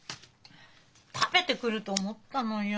食べてくると思ったのよ。